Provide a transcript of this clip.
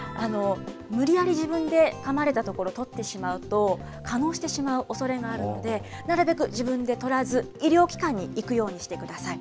無理やり自分でかまれたところ、取ってしまうと、化膿してしまうおそれがあるので、なるべく自分で取らず、医療機関に行くようにしてください。